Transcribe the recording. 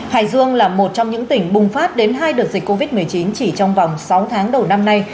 hải dương là một trong những tỉnh bùng phát đến hai đợt dịch covid một mươi chín chỉ trong vòng sáu tháng đầu năm nay